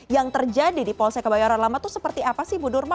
yang terjadi di polsek kebayoran lama itu seperti apa sih bu nurma